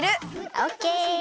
オッケー。